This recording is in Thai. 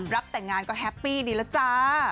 รับแต่งงานก็แฮปปี้ดีละจ๊ะ